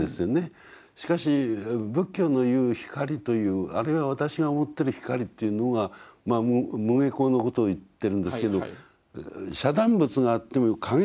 しかし仏教の言う光というあるいは私が思ってる光っていうのが無碍光のことを言ってるんですけど遮断物があっても影ができない光。